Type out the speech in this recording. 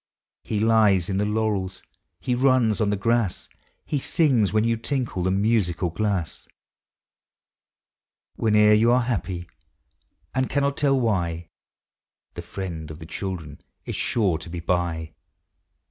He lies in the laurels, he runs on the grass, He sings when you tinkle the musical glass; Whene'er you are happy and cannot tell why, The Friend of the Children is sure to be by!